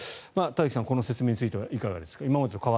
田崎さん、この説明についてはいかがですか。